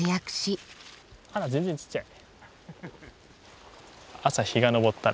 あら全然ちっちゃい。